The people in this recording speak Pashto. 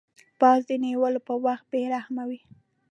باز د نیولو پر وخت بې رحمه وي